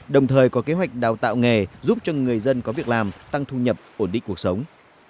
đồng thời có kế hoạch đào tạo nghề giúp cho người dân có việc làm tăng thu nhập ổn định cuộc sống